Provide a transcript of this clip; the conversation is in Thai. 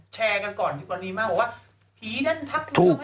แชร์กันก่อนก่อนดีมากว่าผีนั้นทับไม่ต้องให้ดู